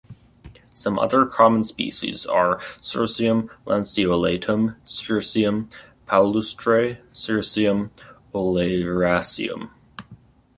Some other common species are: "Cirsium lanceolatum, Cirsium palustre, Cirsium oleraceum".